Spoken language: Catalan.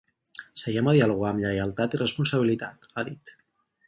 Seiem a dialogar amb lleialtat i responsabilitat, ha dit.